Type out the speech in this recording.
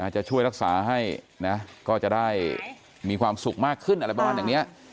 จะช่วยรักษาให้นะก็จะได้มีความสุขมากขึ้นอะไรแบบนี้